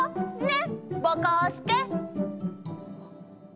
ねっぼこすけ！